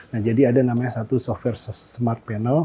nah jadi ada namanya satu software smart panel